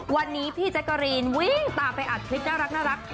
วันนี้พี่แจ๊กกะรีนวิ่งตามไปอัดคลิปน่ารัก